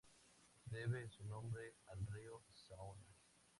Debe su nombre al río Saona.